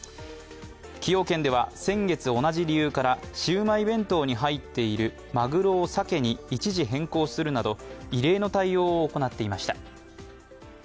崎陽軒では先月同じ理由からシウマイ弁当に入っているマグロをサケに一時変更するなど異例の対応を行っていました。